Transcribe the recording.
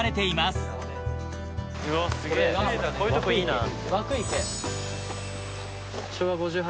すげぇこういうとこいいなぁ。